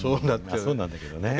まあそうなんだけどね。